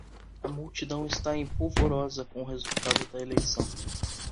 A multidão está em polvorosa com o resultado da eleição